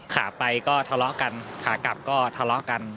ขาไปก็ทะเลาะกันขากลับก็ทะเลาะกัน